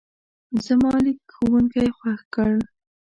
زما لیک ښوونکی خوښ کړ.